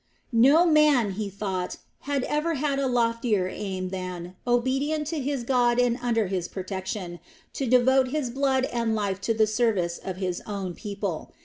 No man, he thought, had ever had a loftier aim than, obedient to his God and under His protection, to devote his blood and life to the service of his own people.